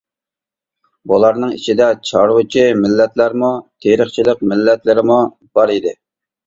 بۇلارنىڭ ئىچىدە چارۋىچى مىللەتلەرمۇ، تېرىقچىلىق مىللەتلىرىمۇ بار ئىدى.